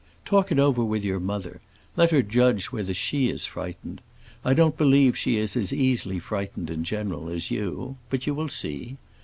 Talk it over with your mother; let her judge whether she is frightened. I don't believe she is as easily frightened, in general, as you; but you will see.